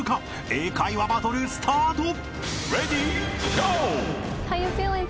［英会話バトルスタート！］